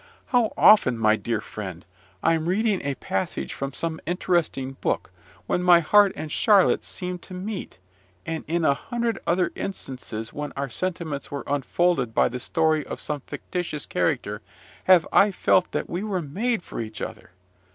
How often, my dear friend, I'm reading a passage from some interesting book, when my heart and Charlotte's seemed to meet, and in a hundred other instances when our sentiments were unfolded by the story of some fictitious character, have I felt that we were made for each other!